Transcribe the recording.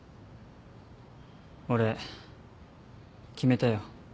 俺決めたよ。